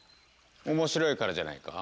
面白いからじゃないか？